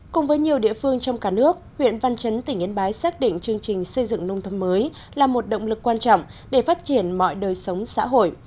cùng với nhiều địa phương trong cả nước huyện văn chấn tỉnh yên bái xác định chương trình xây dựng nông thôn mới là một động lực quan trọng để phát triển mọi đời sống xã hội